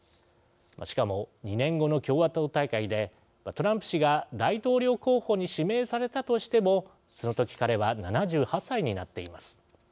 しかも２年後の共和党大会でトランプ氏が大統領候補に指名されたとしてもその時彼は７８歳になっています。